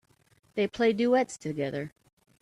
They play duets together.